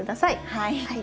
はい。